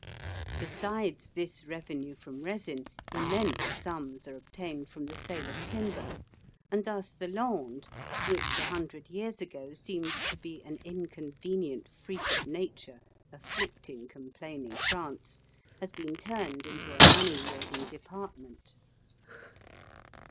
Besides this revenue from resin immense sums are obtained from the sale of timber; and thus the Landes, which a hundred years ago seemed to be an inconvenient freak of nature afflicting complaining France, has been turned into a money yielding department.